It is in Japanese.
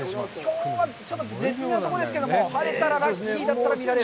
きょうはちょっと絶妙なとこですけど、晴れたらラッキーだったら見られる。